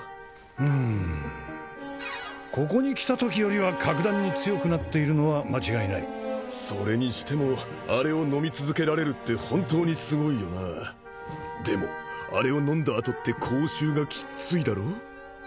うんここに来たときよりは格段に強くなっているのは間違いないそれにしてもアレを飲み続けられるって本当にすごいよなでもアレを飲んだあとって口臭がきっついだろ